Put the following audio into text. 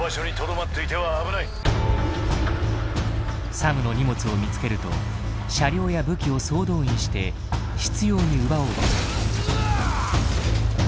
サムの荷物を見つけると車両や武器を総動員して執拗に奪おうとする。